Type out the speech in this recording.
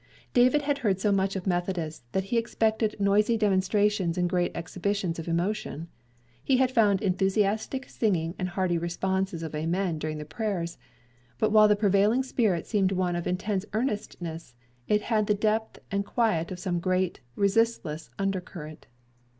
David had heard so much of Methodists that he had expected noisy demonstrations and great exhibitions of emotion. He had found enthusiastic singing and hearty responses of amen during the prayers; but while the prevailing spirit seemed one of intense earnestness, it had the depth and quiet of some great, resistless under current.